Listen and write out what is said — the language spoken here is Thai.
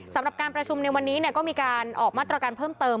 สำหรับการประชุมในวันนี้ก็มีการออกมาตรการเพิ่มเติม